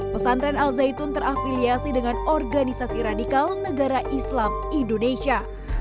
pesantren al zaitun terafiliasi dengan organisasi radikal negara islam indonesia